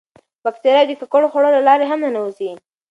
باکتریاوې د ککړو خوړو له لارې هم ننوځي.